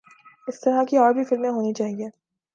اس طرح کی اور بھی فلمیں ہونی چاہئے